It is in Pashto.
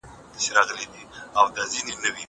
هغه وويل چي زه درس لولم!!